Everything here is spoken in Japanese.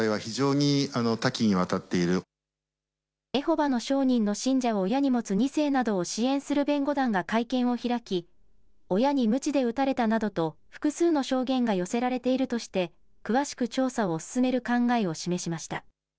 エホバの証人の信者を親に持つ２世などを支援する弁護団が会見を開き、親にむちで打たれたなどと複数の証言が寄せられているとして詳しく調査を進める考えを示しました。